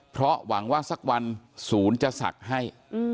เพราะหวังว่าสักวันศูนย์จะศักดิ์ให้